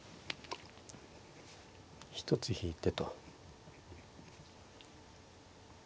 １つ引いてと。